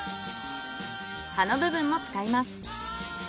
葉の部分も使います。